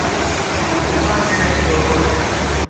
Ukificha mapenzi wee unaumia ndani ndani